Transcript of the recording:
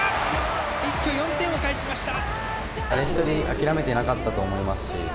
一挙４点を返しました。